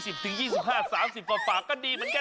รู้จักดีเลยโดยเฉพาะอายุสัก๒๐ถึง๒๕๓๐ป่าก็ดีเหมือนกัน